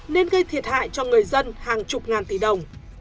nên gây thiệt hại cho người dân hàng chục ngàn tỷ đồng